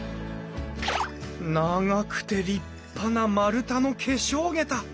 長くて立派な丸太の化粧桁！